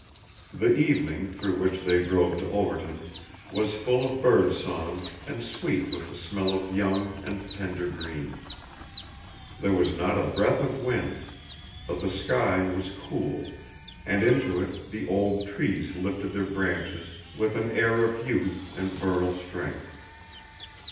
The evening through which they drove to Overton was full of birdsong and sweet with the smell of young and tender green. There was not a breath of wind, but the sky was cool, and into it the old trees lifted their branches with an air of youth and vernal strength.